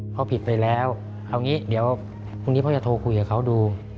พอผิดไปแล้วเอางี้เดี๋ยวพรุ่งนี้พ่อจะโทรคุยกับเขาดู